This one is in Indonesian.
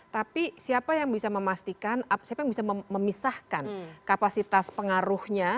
tapi siapa yang bisa memastikan siapa yang bisa memisahkan kapasitas pengaruhnya